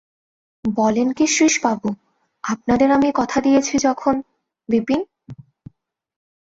বলেন কী শ্রীশবাবু, আপনাদের আমি কথা দিয়েছি যখন– বিপিন।